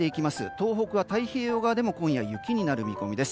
東北は太平洋側でも今夜、雪になる見込みです。